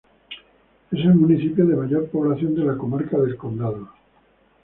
Es el municipio de mayor población de la comarca de El Condado.